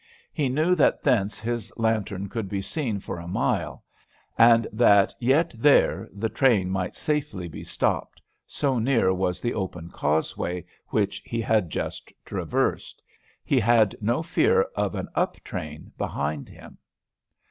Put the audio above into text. He knew that thence his lantern could be seen for a mile, and that yet there the train might safely be stopped, so near was the open causeway which he had just traversed. He had no fear of an up train behind him.